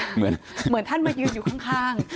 เหมือนท่านมายืนอยู่ข้าง